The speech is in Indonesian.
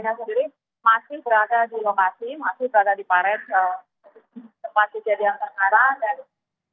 jadi masih berada di lokasi masih berada di paret tempat kejadian terkara